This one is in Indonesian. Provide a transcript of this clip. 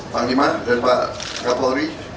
pak limah dan pak kapolri